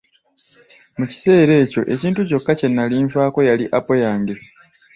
Mu kiseera ekyo ekintu kyokka kye nali nfaako yali apo yange.